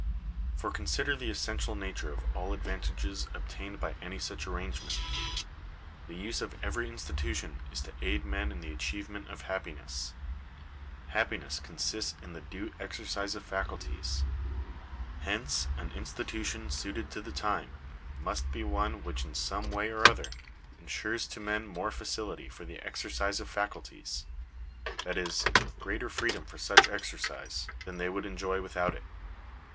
For consider the essential nature of all advantages obtained by any such arrangement. The use of every institution is to aid men in the achievement of happiness. Happiness consists in the due exercise of faculties. Hence an institution suited to the time, must be one which in some way or other ensures to men more facility for the exercise of faculties — that is, greater freedom for such exercise — than they would enjoy without it.